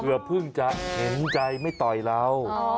เพิ่งจะเห็นใจไม่ต่อยเรา